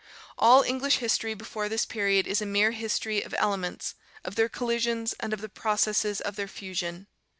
All English history before this period is a mere history of elements, of their collisions, and of the processes of their fusion.